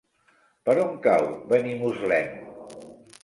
Per on cau Benimuslem?